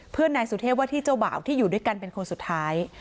นายสุเทพว่าที่เจ้าบ่าวที่อยู่ด้วยกันเป็นคนสุดท้าย